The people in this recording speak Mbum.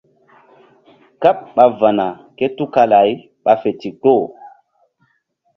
Káɓ ɓa va̧na ké tukala-ay ɓa fe ndikpo.